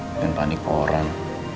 biarin panik orang